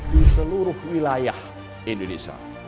di seluruh wilayah indonesia